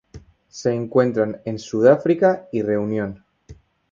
Se encuentran en Sudáfrica y Reunión.